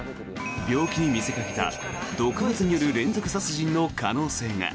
病気に見せかけた、毒物による連続殺人の可能性が。